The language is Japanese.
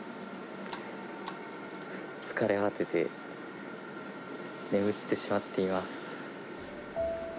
疲れ果てて、眠ってしまっています。